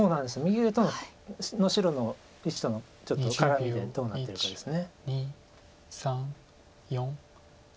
右上の白の石とのちょっと絡みでどうなっているかです。